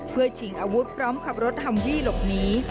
เพื่อชิงอาวุธพร้อมขับรถฮัมวี่หลบหนี